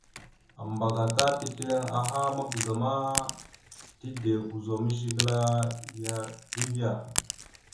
Ambagata tisləliŋ aha mabəza ma, tide ozum Zigəla ya erivea.